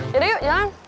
yaudah yuk jalan